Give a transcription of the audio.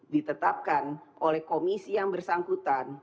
ditetapkan oleh komisi yang bersangkutan